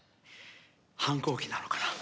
反抗期なのかな？